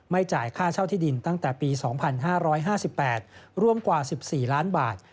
จ่ายค่าเช่าที่ดินตั้งแต่ปี๒๕๕๘รวมกว่า๑๔ล้านบาท